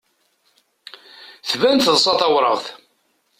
Tban teḍsa tawraɣt.